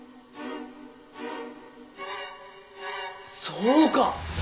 そうか！